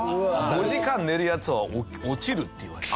５時間寝るヤツは落ちるっていわれて。